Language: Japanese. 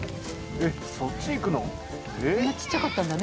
あんなちっちゃかったんだね